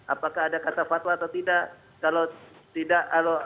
apakah ada kata fatwa atau tidak